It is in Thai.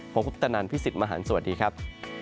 ผมพุทธนันทร์พี่สิทธิ์มหันต์สวัสดีครับ